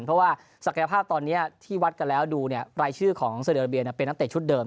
เพราะว่าศักยภาพตอนนี้ที่วัดกันแล้วดูรายชื่อของเซเดราเบียเป็นนักเตะชุดเดิม